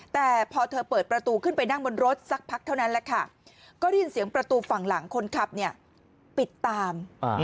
แต่พอเธอเปิดประตูขึ้นไปนั่งบนรถสักพักเท่านั้นแหละค่ะก็ได้ยินเสียงประตูฝั่งหลังคนขับปิดตาม